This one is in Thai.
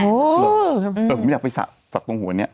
ผมอยากไปสักตรงหัวนี้